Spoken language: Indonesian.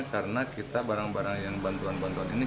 karena kita barang barang yang bantuan bantuan ini